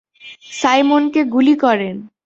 সাইমনকে গুলি করেন।